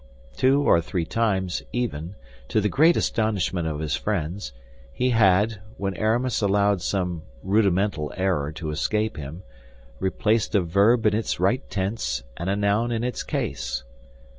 Two or three times, even, to the great astonishment of his friends, he had, when Aramis allowed some rudimental error to escape him, replaced a verb in its right tense and a noun in its case.